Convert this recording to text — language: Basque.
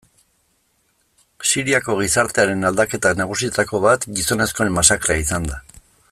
Siriako gizartearen aldaketa nagusietako bat gizonezkoen masakrea izan da.